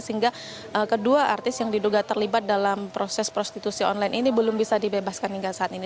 sehingga kedua artis yang diduga terlibat dalam proses prostitusi online ini belum bisa dibebaskan hingga saat ini